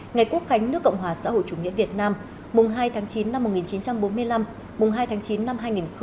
ngày quốc khánh nước cộng hòa xã hội chủ nghĩa việt nam mùng hai tháng chín năm một nghìn chín trăm bốn mươi năm mùng hai tháng chín năm hai nghìn hai mươi